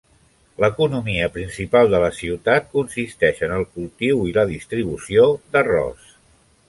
L'economia principal de la ciutat consisteix en el cultiu i la distribució d'arròs.